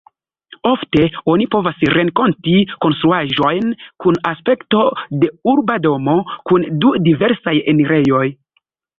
Ofte oni povas renkonti konstruaĵojn kun aspekto de urba domo, kun du diversaj enirejoj.